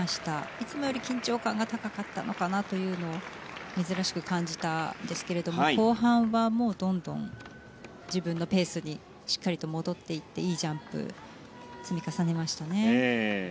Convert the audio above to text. いつもより緊張感が高かったのかなというのを珍しく感じたんですが後半はもう、どんどん自分のペースにしっかりと戻っていっていいジャンプを積み重ねましたね。